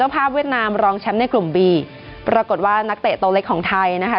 ปรากฏว่านักเตะตัวเล็กของไทยนะคะ